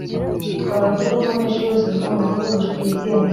Ntitwabura kuvuga ko abanyeshuri bose biga mu bigo by amashuri yigenga